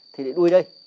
thì lại đuôi đây